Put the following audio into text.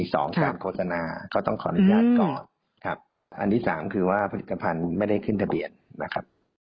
สองการโฆษณาก็ต้องขออนุญาตก่อนครับอันที่สามคือว่าผลิตภัณฑ์ไม่ได้ขึ้นทะเบียนนะครับ